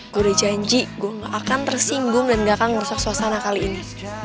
gue udah janji gue gak akan tersinggung dan gak akan ngerusak suasana kali ini